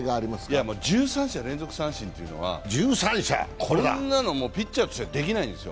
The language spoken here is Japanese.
いや、１３者連続三振というのはこんなのピッチャーとしてはできないです。